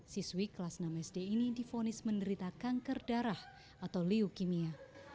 siswi kelas enam sd ini difonis menderita kanker darah atau leukemia